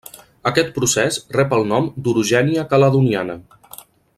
Aquest procés rep el nom d'orogènia caledoniana.